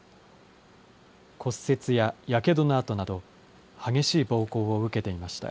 骨折ややけどの痕など、激しい暴行を受けていました。